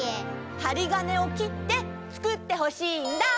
はりがねをきってつくってほしいんだ！